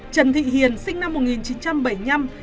trần thị hiền sinh năm một nghìn chín trăm bảy mươi năm